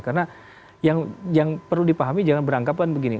karena yang perlu dipahami jangan berangkapan begini